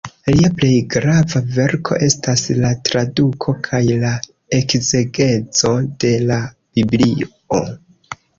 Lia plej grava verko estas la traduko kaj la ekzegezo de la Biblio.